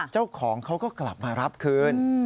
เจ้าของเขาก็กลับมารับคืน